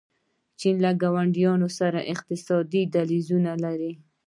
چین له ګاونډیانو سره اقتصادي دهلیزونه لري.